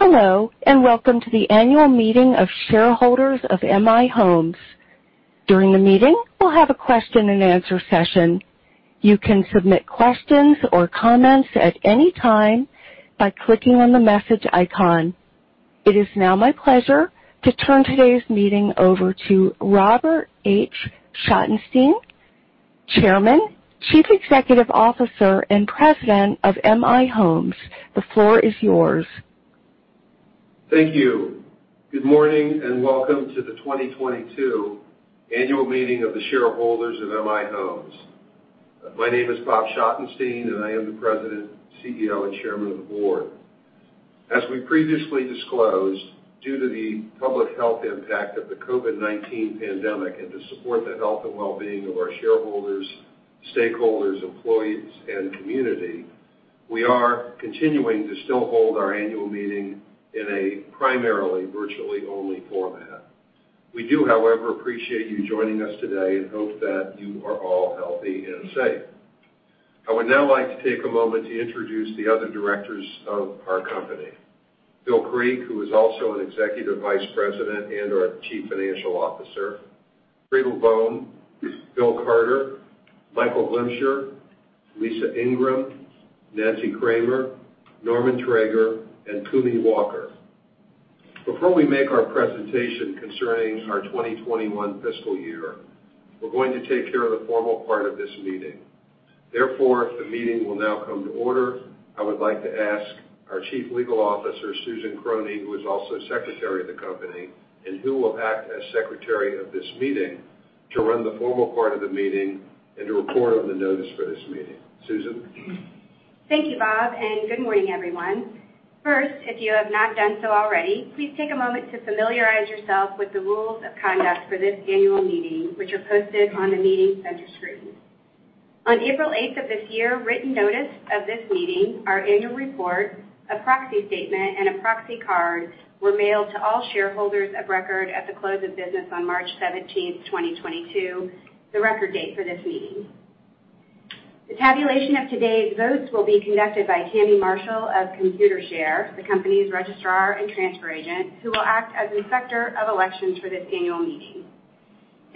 Hello, and welcome to the annual meeting of shareholders of M/I Homes. During the meeting, we'll have a question and answer session. You can submit questions or comments at any time by clicking on the message icon. It is now my pleasure to turn today's meeting over to Robert H. Schottenstein, Chairman, Chief Executive Officer, and President of M/I Homes. The floor is yours. Thank you. Good morning, and welcome to the 2022 annual meeting of the shareholders of M/I Homes. My name is Bob Schottenstein, and I am the President, CEO, and Chairman of the Board. As we previously disclosed, due to the public health impact of the COVID-19 pandemic and to support the health and well-being of our shareholders, stakeholders, employees, and community, we are continuing to still hold our annual meeting in a primarily virtually only format. We do, however, appreciate you joining us today and hope that you are all healthy and safe. I would now like to take a moment to introduce the other directors of our company. Phil Creek, who is also an Executive Vice President and our Chief Financial Officer, Friedl Böhm, Bill Carter, Michael Glimcher, Lisa Ingram, Nancy Kramer, Norman Traeger, and Kumi Walker. Before we make our presentation concerning our 2021 fiscal year, we're going to take care of the formal part of this meeting. Therefore, the meeting will now come to order. I would like to ask our Chief Legal Officer, Susan Krohne, who is also Secretary of the company and who will act as Secretary of this meeting, to run the formal part of the meeting and to report on the notice for this meeting. Susan. Thank you, Bob, and good morning, everyone. First, if you have not done so already, please take a moment to familiarize yourself with the rules of conduct for this annual meeting, which are posted on the meeting center screen. On April 8 of this year, written notice of this meeting, our annual report, a proxy statement, and a proxy card were mailed to all shareholders of record at the close of business on March 17th 2022, the record date for this meeting. The tabulation of today's votes will be conducted by Tammy Marshall of Computershare, the company's registrar and transfer agent, who will act as inspector of elections for this annual meeting.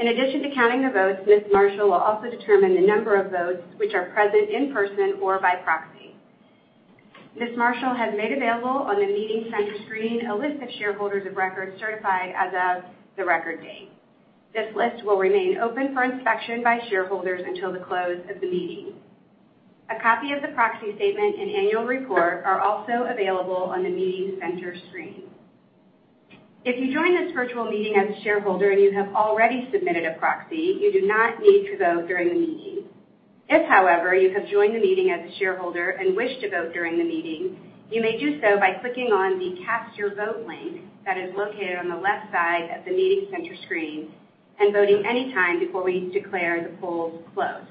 In addition to counting the votes, Ms. Marshall will also determine the number of votes which are present in person or by proxy. Ms. Marshall has made available on the meeting center screen a list of shareholders of record certified as of the record date. This list will remain open for inspection by shareholders until the close of the meeting. A copy of the proxy statement and annual report are also available on the meeting center screen. If you join this virtual meeting as a shareholder and you have already submitted a proxy, you do not need to vote during the meeting. If, however, you have joined the meeting as a shareholder and wish to vote during the meeting, you may do so by clicking on the Cast Your Vote link that is located on the left side of the meeting center screen and voting any time before we declare the polls closed.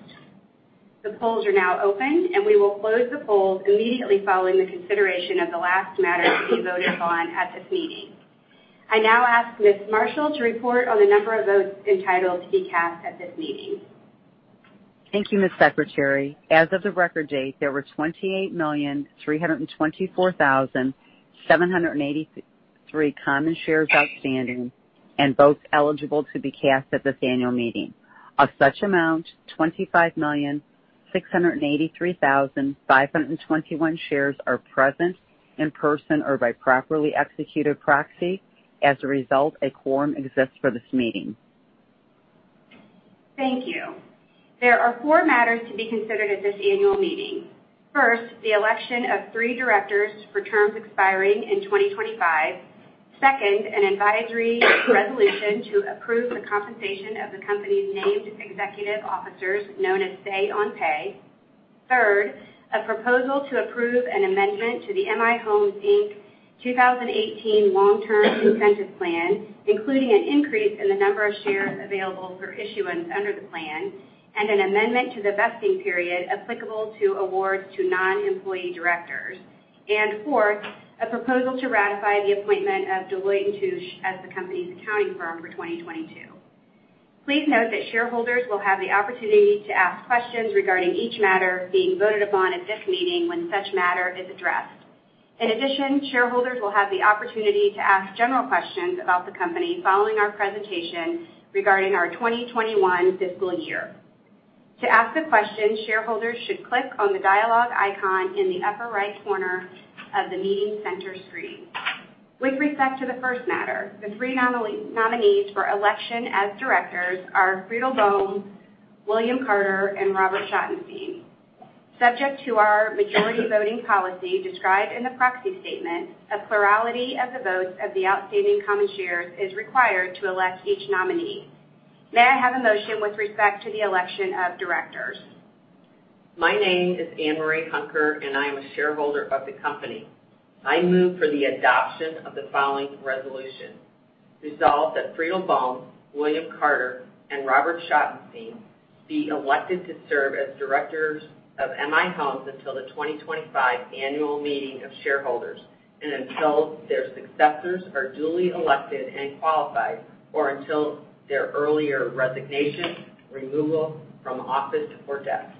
The polls are now open, and we will close the polls immediately following the consideration of the last matter to be voted upon at this meeting. I now ask Ms. Marshall to report on the number of votes entitled to be cast at this meeting. Thank you, Ms. Secretary. As of the record date, there were 28,324,783 common shares outstanding and votes eligible to be cast at this annual meeting. Of such amount, 25,683,521 shares are present in person or by properly executed proxy. As a result, a quorum exists for this meeting. Thank you. There are four matters to be considered at this annual meeting. First, the election of three directors for terms expiring in 2025. Second, an advisory resolution to approve the compensation of the company's named executive officers, known as Say-on-Pay. Third, a proposal to approve an amendment to the M/I Homes, Inc. 2018 Long-Term Incentive Plan, including an increase in the number of shares available for issuance under the plan and an amendment to the vesting period applicable to awards to non-employee directors. Fourth, a proposal to ratify the appointment of Deloitte & Touche as the company's accounting firm for 2022. Please note that shareholders will have the opportunity to ask questions regarding each matter being voted upon at this meeting when such matter is addressed. In addition, shareholders will have the opportunity to ask general questions about the company following our presentation regarding our 2021 fiscal year. To ask a question, shareholders should click on the dialogue icon in the upper right corner of the meeting center screen. With respect to the first matter, the three nominees for election as directors are Friedl Böhm, William Carter, and Robert Schottenstein. Subject to our majority voting policy described in the proxy statement, a plurality of the votes of the outstanding common shares is required to elect each nominee. May I have a motion with respect to the election of directors? My name is Ann Marie Hunker, and I am a shareholder of the company. I move for the adoption of the following resolution. Resolve that Friedl Böhm, William Carter, and Robert Schottenstein be elected to serve as directors of M/I Homes until the 2025 annual meeting of shareholders and until their successors are duly elected and qualified, or until their earlier resignation, removal from office, or death.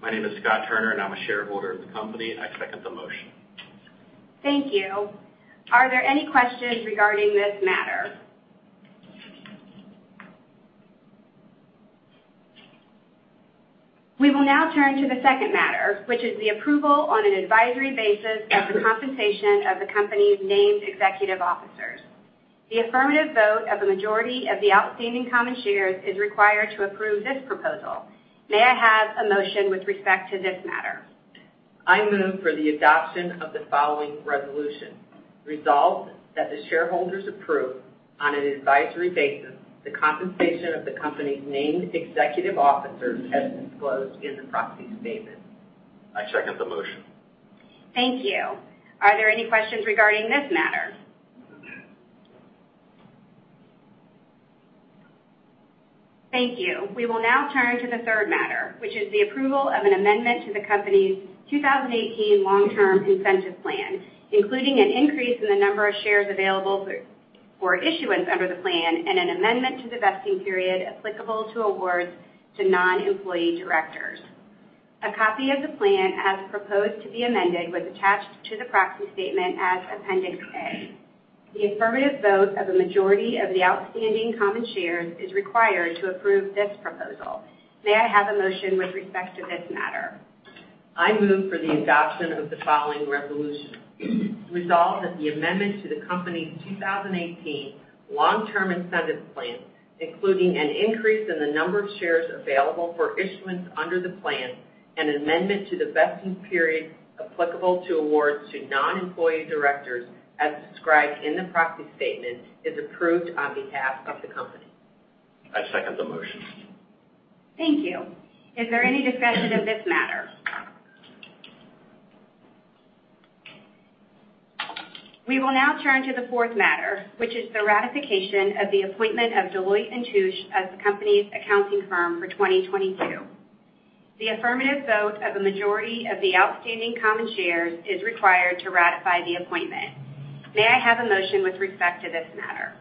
My name is Scott Turner, and I'm a shareholder of the company. I second the motion. Thank you. Are there any questions regarding this matter? We will now turn to the second matter, which is the approval on an advisory basis of the compensation of the company's named executive officers. The affirmative vote of the majority of the outstanding common shares is required to approve this proposal. May I have a motion with respect to this matter? I move for the adoption of the following resolution: Resolved that the shareholders approve, on an advisory basis, the compensation of the company's named executive officers as disclosed in the proxy statement. I second the motion. Thank you. Are there any questions regarding this matter? Thank you. We will now turn to the third matter, which is the approval of an amendment to the company's 2018 Long-Term Incentive Plan, including an increase in the number of shares available for issuance under the plan and an amendment to the vesting period applicable to awards to non-employee directors. A copy of the plan, as proposed to be amended, was attached to the proxy statement as Appendix A. The affirmative vote of a majority of the outstanding common shares is required to approve this proposal. May I have a motion with respect to this matter? I move for the adoption of the following resolution: Resolved that the amendment to the company's 2018 Long-Term Incentive Plan, including an increase in the number of shares available for issuance under the plan and amendment to the vesting period applicable to awards to non-employee directors, as described in the proxy statement, is approved on behalf of the company. I second the motion. Thank you. Is there any discussion of this matter? We will now turn to the fourth matter, which is the ratification of the appointment of Deloitte & Touche as the company's accounting firm for 2022. The affirmative vote of a majority of the outstanding common shares is required to ratify the appointment. May I have a motion with respect to this matter?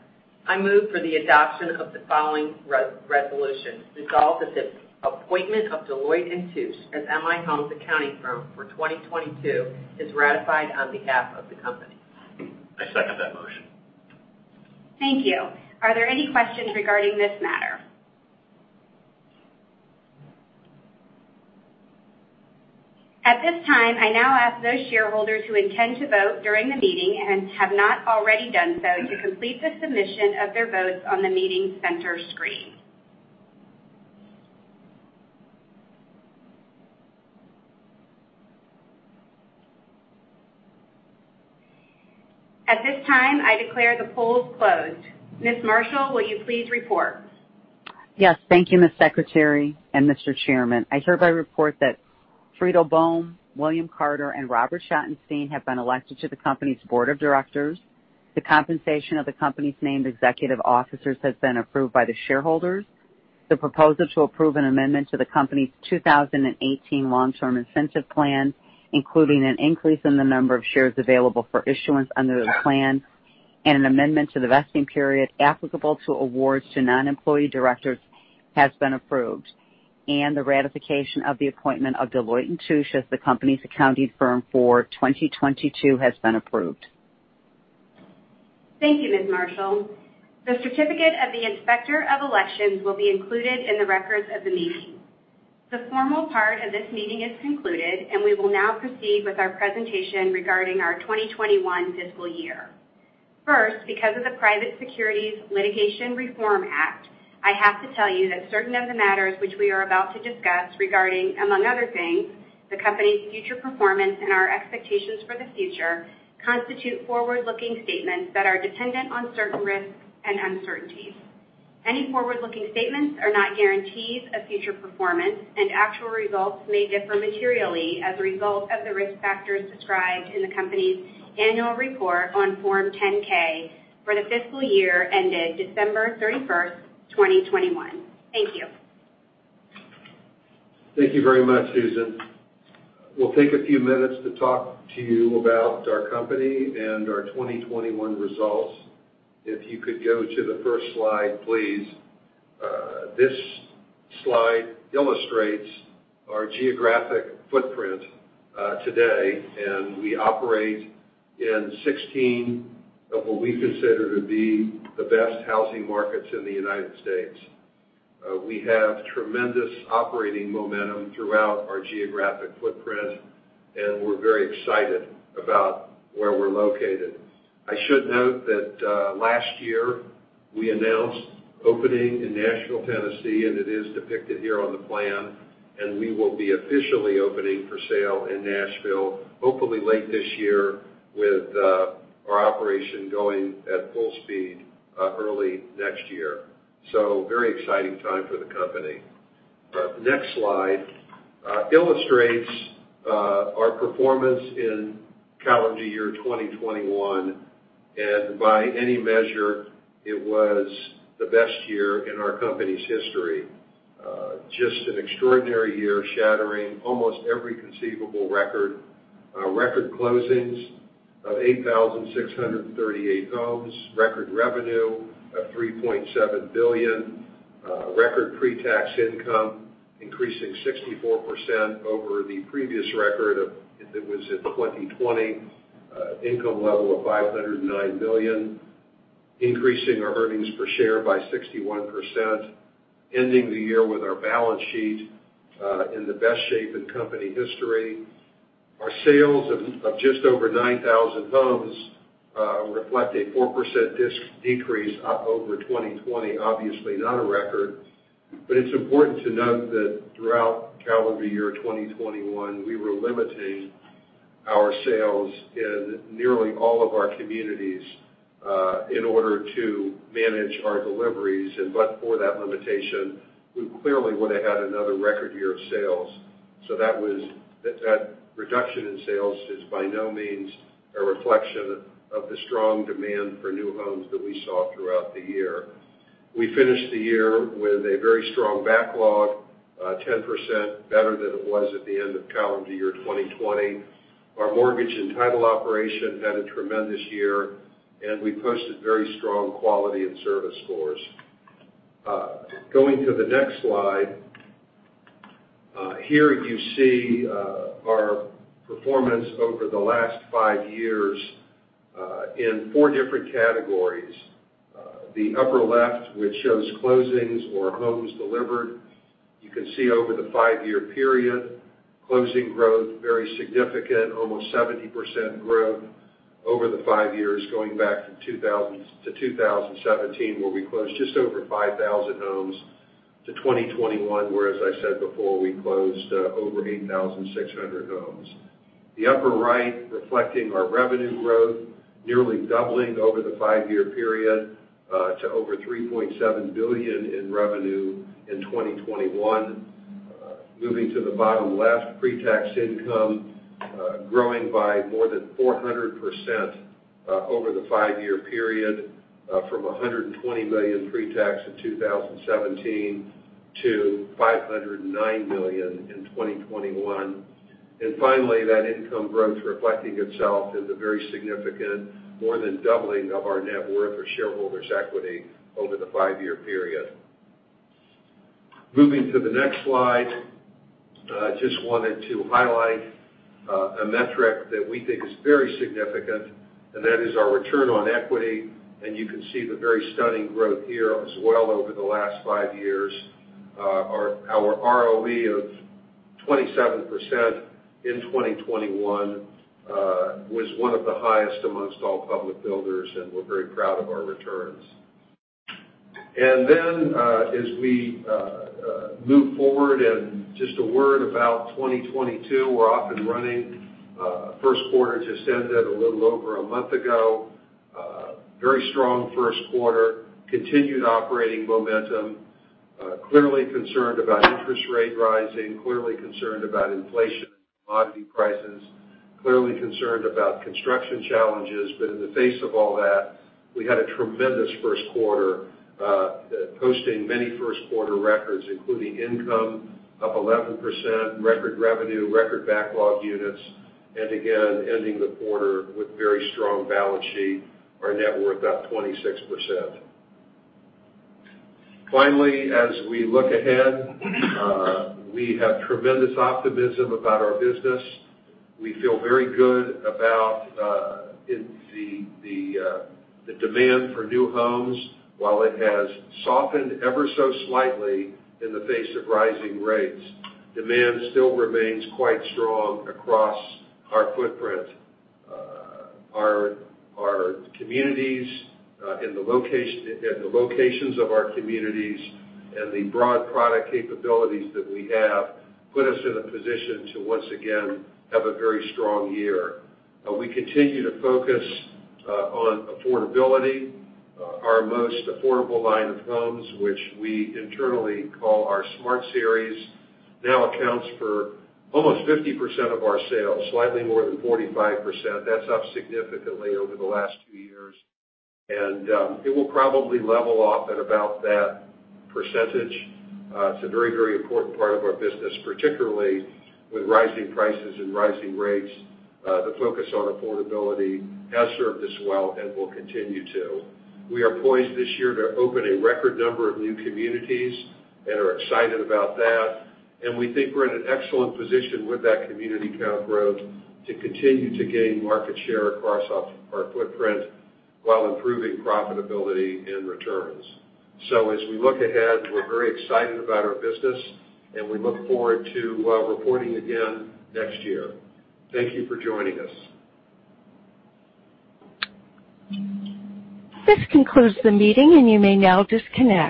I move for the adoption of the following resolution: Resolved that the appointment of Deloitte & Touche as M/I Homes' accounting firm for 2022 is ratified on behalf of the company. I second that motion. Thank you. Are there any questions regarding this matter? At this time, I now ask those shareholders who intend to vote during the meeting and have not already done so to complete the submission of their votes on the meeting center screen. At this time, I declare the polls closed. Ms. Marshall, will you please report? Yes. Thank you, Ms. Secretary and Mr. Chairman. I hereby report that Friedl Böhm, William Carter, and Robert Schottenstein have been elected to the company's board of directors. The compensation of the company's named executive officers has been approved by the shareholders. The proposal to approve an amendment to the company's 2018 Long-Term Incentive Plan, including an increase in the number of shares available for issuance under the plan and an amendment to the vesting period applicable to awards to non-employee directors, has been approved. The ratification of the appointment of Deloitte & Touche as the company's accounting firm for 2022 has been approved. Thank you, Ms. Marshall. The certificate of the Inspector of Elections will be included in the records of the meeting. The formal part of this meeting is concluded, and we will now proceed with our presentation regarding our 2021 fiscal year. First, because of the Private Securities Litigation Reform Act, I have to tell you that certain of the matters which we are about to discuss regarding, among other things, the company's future performance and our expectations for the future, constitute forward-looking statements that are dependent on certain risks and uncertainties. Any forward-looking statements are not guarantees of future performance, and actual results may differ materially as a result of the risk factors described in the company's annual report on Form 10-K for the fiscal year ended December 31st 2021. Thank you. Thank you very much, Susan. We'll take a few minutes to talk to you about our company and our 2021 results. If you could go to the first slide, please. This slide illustrates our geographic footprint today, and we operate in 16 of what we consider to be the best housing markets in the United States. We have tremendous operating momentum throughout our geographic footprint, and we're very excited about where we're located. I should note that last year, we announced opening in Nashville, Tennessee, and it is depicted here on the plan, and we will be officially opening for sale in Nashville, hopefully late this year with our operation going at full speed early next year. Very exciting time for the company. The next slide illustrates our performance in calendar year 2021. By any measure, it was the best year in our company's history. Just an extraordinary year, shattering almost every conceivable record. Record closings of 8,638 homes, record revenue of $3.7 billion, record pretax income increasing 64% over the previous record of, it was at 2020, income level of $509 million, increasing our earnings per share by 61%, ending the year with our balance sheet in the best shape in company history. Our sales of just over 9,000 homes reflect a 4% decrease over 2020, obviously not a record. It's important to note that throughout calendar year 2021, we were limiting our sales in nearly all of our communities in order to manage our deliveries. But for that limitation, we clearly would have had another record year of sales. That reduction in sales is by no means a reflection of the strong demand for new homes that we saw throughout the year. We finished the year with a very strong backlog, 10% better than it was at the end of calendar year 2020. Our mortgage and title operation had a tremendous year, and we posted very strong quality and service scores. Going to the next slide. Here you see our performance over the last five years in four different categories. The upper left, which shows closings or homes delivered. You can see over the five-year period, closing growth very significant, almost 70% growth over the five years from 2017 to 2021, where we closed just over 5,000 homes to 2021, where, as I said before, we closed over 8,600 homes. The upper right, reflecting our revenue growth, nearly doubling over the five year period to over $3.7 billion in revenue in 2021. Moving to the bottom left, pretax income growing by more than 400% over the five year period from $120 million pretax in 2017 to $509 million in 2021. Finally, that income growth reflecting itself in the very significant more than doubling of our net worth or shareholders' equity over the five year period. Moving to the next slide. I just wanted to highlight a metric that we think is very significant, and that is our return on equity. You can see the very stunning growth here as well over the last five years. Our ROE of 27% in 2021 was one of the highest amongst all public builders, and we're very proud of our returns. Then, as we move forward and just a word about 2022, we're off and running. Q1 just ended a little over a month ago. Very strong Q1 continued operating momentum. Clearly concerned about interest rate rising, clearly concerned about inflation and commodity prices, clearly concerned about construction challenges. In the face of all that, we had a tremendous Q1, posting many Q1records, including income up 11%, record revenue, record backlog units, and again, ending the quarter with very strong balance sheet, our net worth up 26%. Finally, as we look ahead, we have tremendous optimism about our business. We feel very good about the demand for new homes. While it has softened ever so slightly in the face of rising rates, demand still remains quite strong across our footprint. Our communities and the locations of our communities and the broad product capabilities that we have put us in a position to once again have a very strong year. We continue to focus on affordability. Our most affordable line of homes, which we internally call our Smart Series, now accounts for almost 50% of our sales, slightly more than 45%. That's up significantly over the last few years. It will probably level off at about that percentage. It's a very, very important part of our business, particularly with rising prices and rising rates. The focus on affordability has served us well and will continue to. We are poised this year to open a record number of new communities and are excited about that. We think we're in an excellent position with that community count growth to continue to gain market share across our footprint while improving profitability and returns. As we look ahead, we're very excited about our business, and we look forward to reporting again next year. Thank you for joining us. This concludes the meeting, and you may now disconnect.